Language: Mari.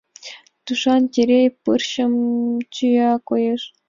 Тушан Терей пырчым тӱя, коеш.